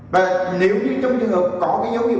và nếu như trong trường hợp có cái dấu hiệu